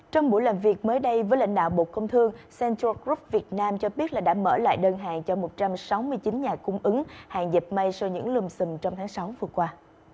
trong buổi làm việc mới đây với lãnh đạo bộ công thương central group việt nam cho biết đã mở lại đơn hàng cho một trăm sáu mươi chín nhà cung ứng hàng dịch may sau những lùm xùm trong tháng sáu vừa qua